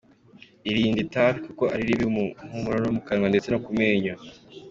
Irinde itabi kuko ari ribi ku mpumuro yo mu kanwa ndetse no ku menyo.